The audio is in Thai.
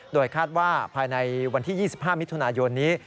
โดยคาดว่าภายในวันที่๒๕มิถุนายนนี้